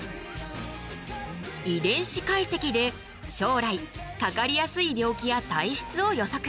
遺伝子解析で将来かかりやすい病気や体質を予測。